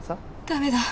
ダメだ。